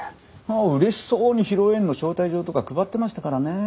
うれしそうに披露宴の招待状とか配ってましたからね。